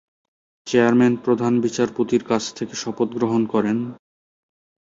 Chairman প্রধান বিচারপতির কাছ থেকে শপথ গ্রহণ করেন।